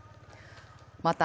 また、